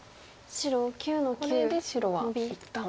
これで白は一旦。